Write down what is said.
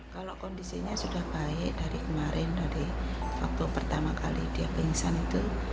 kalau kondisinya sudah baik dari kemarin dari waktu pertama kali dia pingsan itu